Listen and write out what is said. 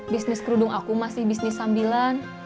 bisnis kerudung aku masih bisnis sambilan